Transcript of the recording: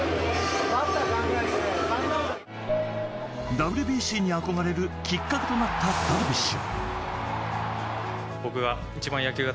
ＷＢＣに憧れるきっかけとなったダルビッシュ。